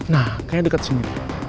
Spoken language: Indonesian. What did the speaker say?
nah kayaknya dekat sini